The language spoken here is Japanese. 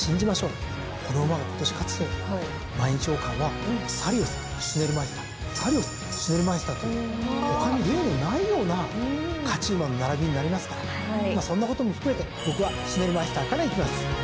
この馬が今年勝つと毎日王冠はサリオスシュネルマイスターサリオスシュネルマイスターという他に例のないような勝ち馬の並びになりますからそんなことも含めて僕はシュネルマイスターからいきます。